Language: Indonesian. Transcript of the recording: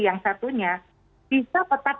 yang satunya bisa tetap